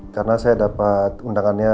karena saya dapat undangannya